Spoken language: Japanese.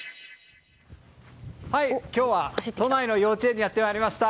今日は、都内の幼稚園にやってまいりました。